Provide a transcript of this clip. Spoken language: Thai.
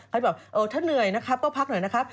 เขาก็บอกถ้าเหนื่อยก็พักหน่อยนะครับ